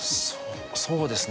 そうですね。